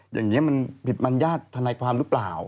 อย่างนี้มันผิดมัญญาติธนายความหรือเปล่า